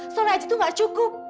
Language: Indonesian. soleh aja tuh gak cukup